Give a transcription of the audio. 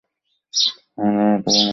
হেমনলিনী তখন উপরে চলিয়া গেছে।